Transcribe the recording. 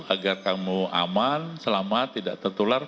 agar kamu aman selamat tidak tertular